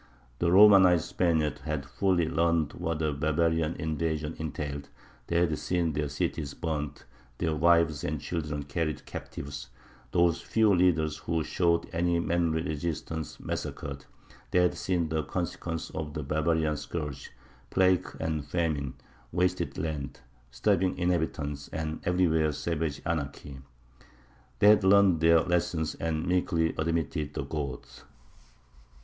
The Romanized Spaniards had fully learned what a barbarian invasion entailed; they had seen their cities burnt, their wives and children carried captives, those few leaders who showed any manly resistance massacred; they had seen the consequences of the barbarian scourge plague and famine, wasted lands, starving inhabitants, and everywhere savage anarchy. They had learned their lesson, and meekly admitted the Goths.